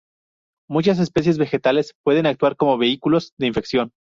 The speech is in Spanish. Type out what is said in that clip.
Muchas especies vegetales pueden actuar como vehículos de infección.